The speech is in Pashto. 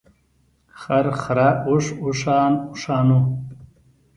خر، خره، اوښ ، اوښان ، اوښانو .